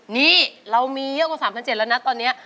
นี่เรามีเยอะกว่า๓๗๐๐แล้วนะตอนนี้